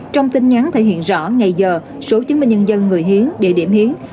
trong tin nhắn thể hiện rõ ngày giờ số chứng minh nhân dân người hiến địa điểm hiến